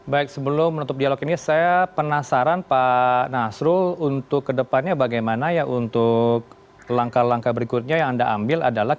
baik sebelum menutup dialog ini saya penasaran pak nasrul untuk kedepannya bagaimana ya untuk langkah langkah berikutnya yang anda ambil adalah